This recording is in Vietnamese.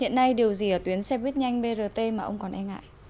hiện nay điều gì ở tuyến xe buýt nhanh brt mà ông còn e ngại